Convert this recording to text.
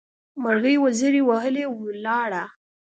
مرغۍ وزرې ووهلې؛ ولاړه.